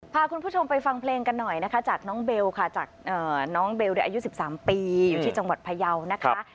พาคุณผู้ชมไปฟังเพลงกันหน่อยนะคะจากน้องเบลค่ะจากน้องเบลอายุ๑๓ปีอยู่ที่จังหวัดพยาวนะคะ